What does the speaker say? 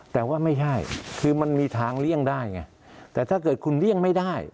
แต่ว่าไม่ใช่คือมันมีทางเลี่ยงได้ไงแต่ถ้าเกิดคุณเลี่ยงไม่ได้